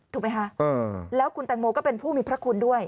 ถูกไหมคะแล้วคุณแตงโมก็เป็นผู้มีพระคุณด้วย